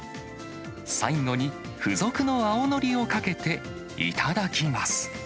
最後に付属の青のりをかけて頂きます。